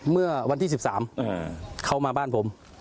เมื่อวันที่๑๓เขามาบ้านผม